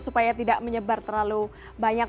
supaya tidak menyebar terlalu banyak